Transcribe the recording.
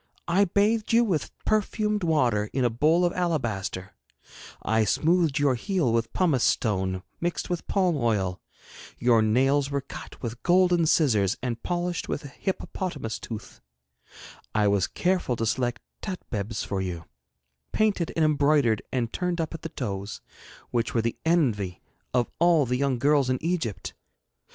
I bathed you with perfumed water in a bowl of alabaster; I smoothed your heel with pumice stone mixed with palm oil; your nails were cut with golden scissors and polished with a hippopotamus tooth; I was careful to select tatbebs for you, painted and embroidered and turned up at the toes, which were the envy of all the young girls in Egypt.